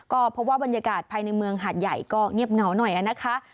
ก็เพราะว่าบรรยากาศภายในเมืองหาดใหญ่ก็เงียบเหงาหน่อยนะคะ